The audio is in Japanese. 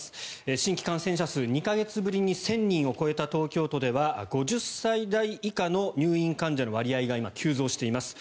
新規感染者数２か月ぶりに１０００人を超えた東京では５０歳代以下の入院患者の割合が今、急増しています。